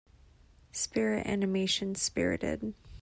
Spirit animation Spirited.